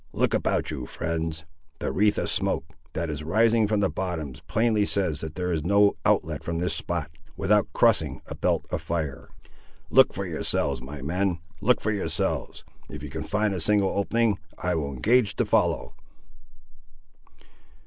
Look about you, friends; the wreath of smoke, that is rising from the bottoms, plainly says that there is no outlet from this spot, without crossing a belt of fire. Look for yourselves, my men; look for yourselves; if you can find a single opening, I will engage to follow."